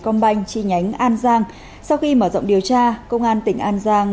công banh chi nhánh an giang sau khi mở rộng điều tra công an tỉnh an giang